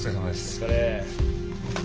お疲れ。